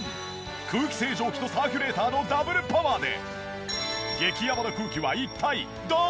空気清浄機とサーキュレーターのダブルパワーで。